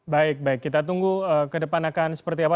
baik baik kita tunggu kedepan akan seperti apa